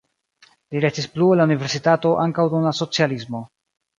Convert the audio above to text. Li restis plu en la universitato ankaŭ dum la socialismo.